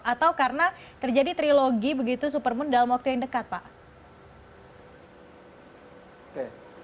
atau karena terjadi trilogi begitu supermoon dalam waktu yang dekat pak